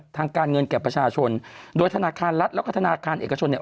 ทางการเงินแก่ประชาชนโดยธนาคารรัฐแล้วก็ธนาคารเอกชนเนี่ย